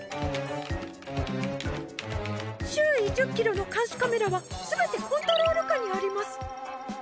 周囲１０キロの監視カメラはすべてコントロール下にあります。